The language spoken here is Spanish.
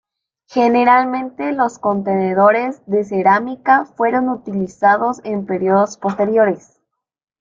Generalmente los contenedores de cerámica fueron utilizados en períodos posteriores.